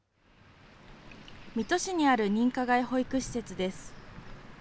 水戸市にある認可外保育施設です。